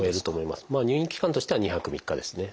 まあ入院期間としては２泊３日ですね。